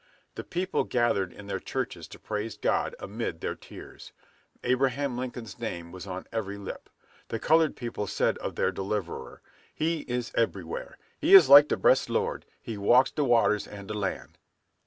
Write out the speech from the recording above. The people gathered in their churches to praise God amid their tears. Abraham Lincoln's name was on every lip. The colored people said of their deliverer, "He is eberywhere. He is like de bressed Lord; he walks de waters and de land."